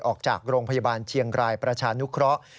ออกจากโรงพยาบาลเชียงรายประชานุเคราะห์